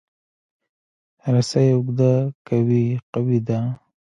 رسۍ اوږده که وي، قوي ده.